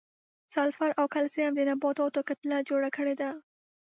سلفر او کلسیم د نباتاتو کتله جوړه کړې ده.